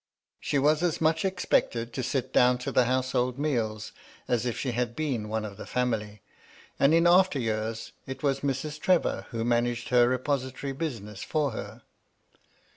She was as much expected to sit down to the household meals as if she had been one of the family ; and in after years it was Mrs. Trevor who managed her repository business for her.